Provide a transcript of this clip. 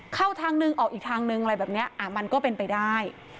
เข้าทางหนึ่งออกอีกทางนึงอะไรแบบนี้มันก็เป็นไปได้